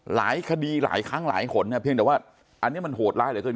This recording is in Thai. หลายคดีหลายครั้งหลายหนเพียงแต่ว่าอันนี้มันโหดร้ายเหลือเกิน